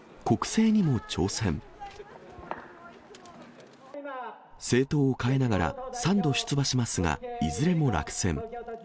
政党を変えながら３度出馬しますが、いずれも落選。